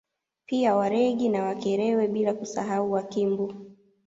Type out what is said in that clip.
Pia Waregi na Wakerewe bila kusahau Wakimbu